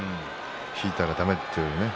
引いたら、だめというね。